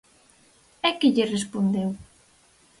E que lle respondeu?